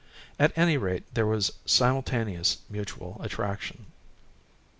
At any rate there was a simultaneous mutual attraction.